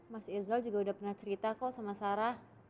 mas irsal juga sudah pernah cerita kok sama sarah